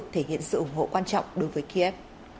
thể hiện sự ủng hộ quan trọng đối với kiev